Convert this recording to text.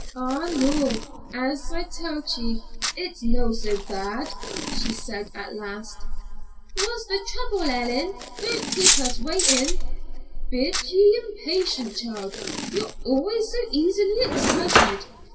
"Ah, noo. As I tell't ye, it's no so bad," she said at last. "Wha's the trouble, Ellen? Don't keep us waitin'." "Bide ye in patience, child. Ye're always so easily excitet.